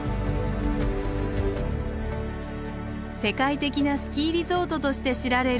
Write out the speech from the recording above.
世界的なスキーリゾートとして知られるニセコ。